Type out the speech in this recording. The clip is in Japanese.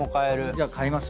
じゃあ買います。